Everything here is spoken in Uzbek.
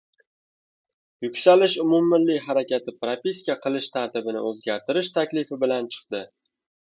«Yuksalish» umummilliy harakati propiska qilish tartibini o‘zgartirish taklifi bilan chiqdi